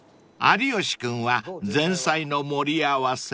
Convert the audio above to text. ［有吉君は前菜の盛り合わせ］